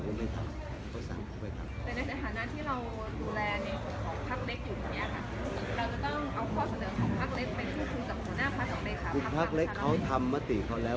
ผมไม่ทราบเพราะเวลานี้ไม่ได้ดูแลเรื่องปัญหาสารร้อยร้าว